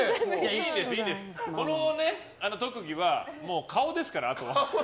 この特技は顔ですから、あとは。